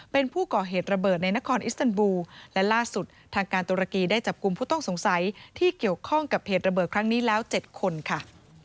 เป็นผู้ก่อเหตุระเบิดในนครอิสตันบูและล่าสุดทางการตุรกีได้จับกลุ่มผู้ต้องสงสัยที่เกี่ยวข้องกับเหตุระเบิดครั้งนี้แล้ว๗คนค่ะ